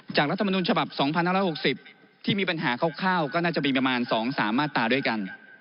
รัฐมนุนฉบับ๒๕๖๐ที่มีปัญหาคร่าวก็น่าจะมีประมาณ๒๓มาตราด้วยกัน